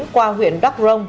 qua huyện đắk rông